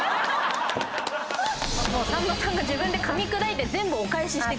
さんまさんが自分でかみ砕いて全部お返ししてくれる。